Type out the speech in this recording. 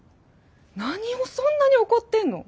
何をそんなに怒ってんの？